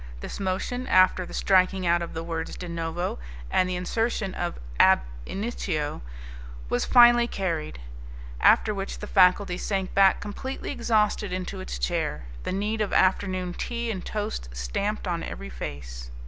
This motion, after the striking out of the words de novo and the insertion of ab initio, was finally carried, after which the faculty sank back completely exhausted into its chair, the need of afternoon tea and toast stamped on every face.